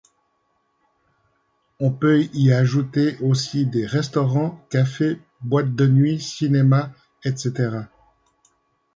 On peut y ajouter aussi des restaurants, cafés, boîtes de nuit, cinémas, etc.